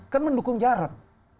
kan mendukung jarod